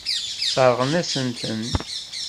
Sseṛɣen-asent-ten.